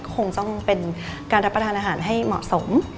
คงต้องเป็นการรับประทานอาหารให้เหมาะสม